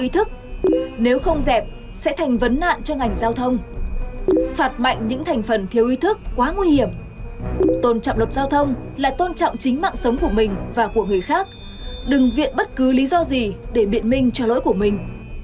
tôn trọng luật giao thông là tôn trọng chính mạng sống của mình và của người khác đừng viện bất cứ lý do gì để biện minh cho lỗi của mình